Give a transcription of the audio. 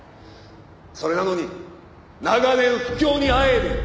「それなのに長年不況にあえいでいる」